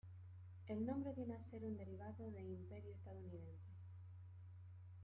El nombre viene a ser un derivado de "Imperio estadounidense".